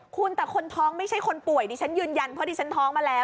คุณแต่คนท้องไม่ใช่คนป่วยดิฉันยืนยันเพราะดิฉันท้องมาแล้ว